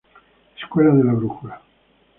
Escuela de la brújula